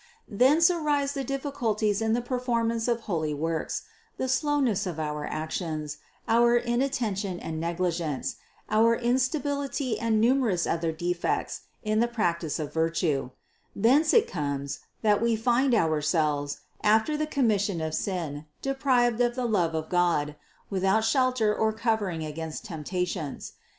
Thence arise the difficulties in the performance of holy works, the slowness of our actions, our inattention and negligence, our instability and numerous other defects in the practice of virtue; thence it comes, that we find ourselves, after the commission of sin, deprived of the love of God, without shelter or covering against temptations.